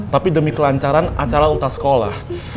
tapi demi kelancaran acara utas sekolah